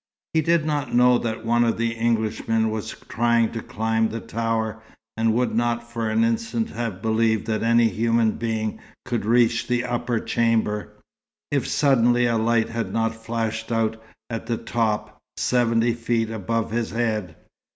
He did not know that one of the Englishmen was trying to climb the tower, and would not for an instant have believed that any human being could reach the upper chamber, if suddenly a light had not flashed out, at the top, seventy feet above his head.